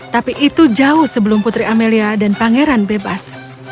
tapi itu jauh sebelum putri amelia dan pangeran bebas